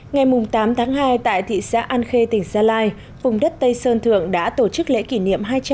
ngày tám tháng hai tại thị xã an khê tỉnh gia lai vùng đất tây sơn thượng đã tổ chức lễ kỷ niệm